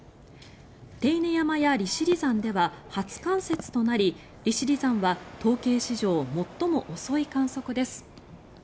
手稲山や利尻山では初冠雪となり利尻山は統計史上最も遅い観測です。